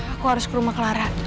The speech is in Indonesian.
aku harus ke rumah clara